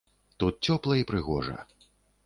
Тут цёпла і прыгожа.